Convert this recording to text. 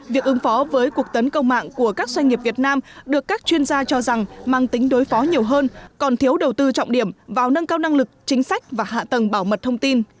việc ứng phó với cuộc tấn công mạng của các doanh nghiệp việt nam được các chuyên gia cho rằng mang tính đối phó nhiều hơn còn thiếu đầu tư trọng điểm vào nâng cao năng lực chính sách và hạ tầng bảo mật thông tin